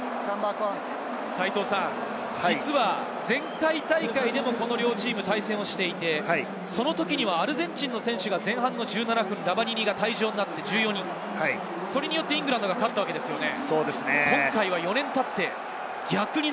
実は前回大会でもこの両チーム対戦をしていて、その時にはアルゼンチンの選手が前半１７分ラバニニが退場になって１４人、それで勝ったわけですよね。